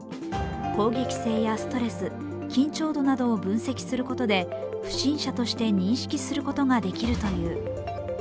攻撃性やストレス、緊張度などを分析することで不審者として認識することができるという。